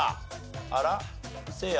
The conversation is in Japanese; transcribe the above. あらせいや。